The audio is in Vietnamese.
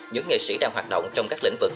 những nghệ sĩ đang hoạt động trong các lĩnh vực